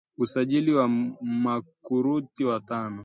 Usajli wa makurutu watano